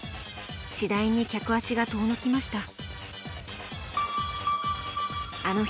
次第に客足が遠のきました。